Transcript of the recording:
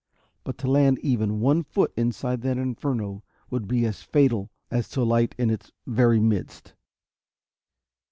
But to land even one foot inside that inferno would be as fatal as to alight in its very midst.